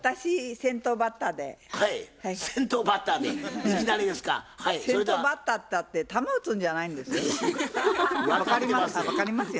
先頭バッターっていったって球打つんじゃないんですよ。